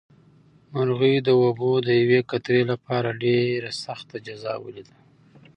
مرغۍ د اوبو د یوې قطرې لپاره ډېره سخته جزا ولیده.